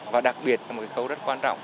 và đặc biệt là một khâu rất quan trọng